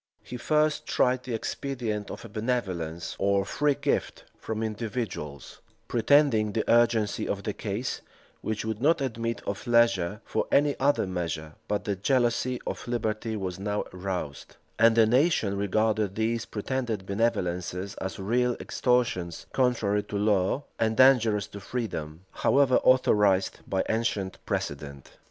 [*] He first tried the expedient of a benevolence, or free gift, from individuals; pretending the urgency of the case, which would not admit of leisure for any other measure: but the jealousy of liberty was now roused, and the nation regarded these pretended benevolences as real extortions, contrary to law, and dangerous to freedom, however authorized by ancient precedent.